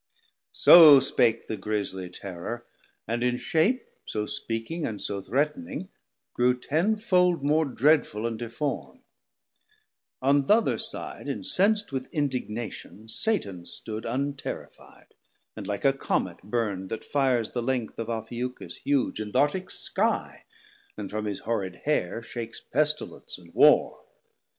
So spake the grieslie terrour, and in shape, So speaking and so threatning, grew ten fold More dreadful and deform: on th' other side Incenc't with indignation Satan stood Unterrifi'd, and like a Comet burn'd, That fires the length of Ophiucus huge In th' Artick Sky, and from his horrid hair 710 Shakes Pestilence and Warr.